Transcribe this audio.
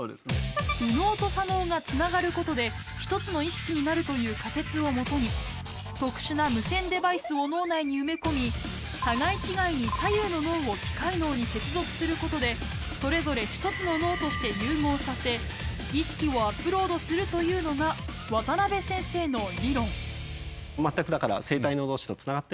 右脳と左脳がつながることで１つの意識になるという仮説を基に特殊な無線デバイスを脳内に埋め込み互い違いに左右の脳を機械脳に接続することでそれぞれ１つの脳として融合させ意識をアップロードするというのが渡先生の理論全く。